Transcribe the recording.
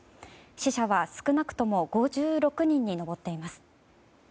死者は少なくとも５６人に上っています。